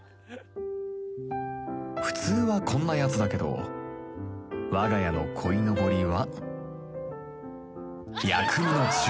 普通はこんなやつだけどわが家のこいのぼりは